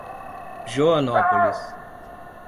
Joanópolis